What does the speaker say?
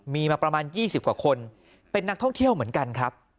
มีมาประมาณ๒๐กว่าคนเป็นนักท่องเที่ยวเหมือนกันครับ